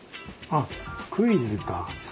あっクイズか。